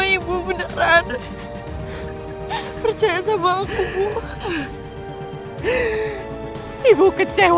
dari kecil ibu ajarin kamu untuk gak bohong sampai ke akhir